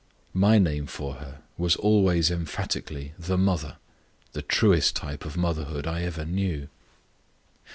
My name for her was always emphatically "The Mother" the truest type of motherhood I ever knew.